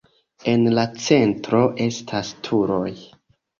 En la centro estas turoj.